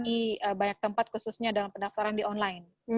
di banyak tempat khususnya dalam pendaftaran di online